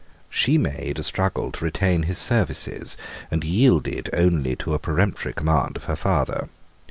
She made a struggle to retain his services, and yielded only to a peremptory command of her father.